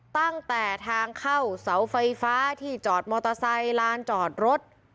ตั้งแต่ทางเข้าเสาไฟฟ้าที่จอดมอเตอร์ไซค์ลานจอดรถ